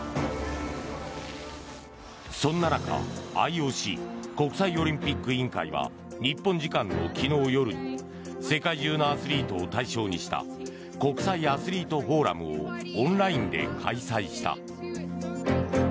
そんな中、ＩＯＣ・国際オリンピック委員会は日本時間の昨日夜に世界中のアスリートを対象にした国際アスリートフォーラムをオンラインで開催した。